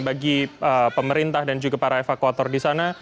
bagi pemerintah dan juga para evakuator di sana